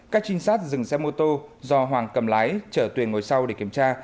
các trinh sát dừng xe mô tô do hoàng cầm lái chở tuyền ngồi sau để kiểm tra